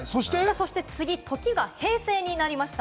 そして時は平成になりました。